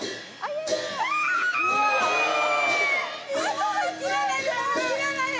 もう切らないで！